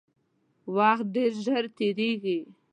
وخت ډیر ژر تیریږي